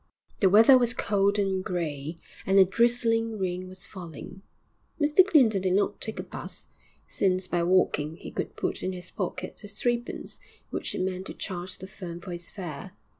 The weather was cold and grey, and a drizzling rain was falling. Mr Clinton did not take a 'bus, since by walking he could put in his pocket the threepence which he meant to charge the firm for his fare.